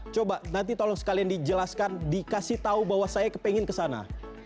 coba nanti tolong sekalian dijelaskan dikasih tahu bahwa saya kepengen ke sana